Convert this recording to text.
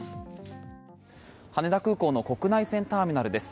羽田空港の国内線ターミナルです。